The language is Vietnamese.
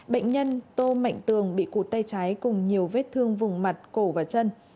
bệnh nhân tô mạnh tường bị cụt tay trái cùng nhiều vết thương vùng mặt cổ và chân